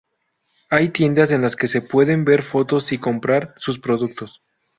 Hay tiendas en las que se pueden ver fotos y comprar sus productos.